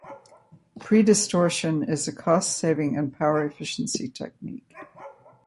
Predistortion is a cost-saving and power efficiency technique.